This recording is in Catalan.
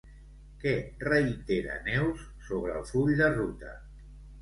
Què reitera Neus sobre el full de ruta?